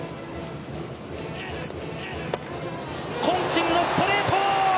渾身のストレート！